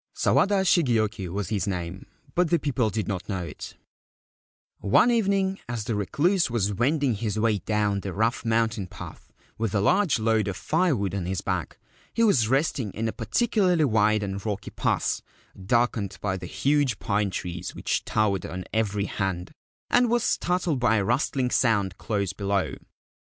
Sawada Shigeoki was his name ; but the people did not know it. 208 THE WOODCUTTER SAVES CHOYO FROM ROBBERS A Story of Mount Kanzanrei One evening, as the Recluse was wending his way down the rough mountain path with a large load of firewood on his back, he was resting in a particularly wild and rocky pass darkened by the huge pine trees which towered on every hand, and was startled by a rustling sound close below.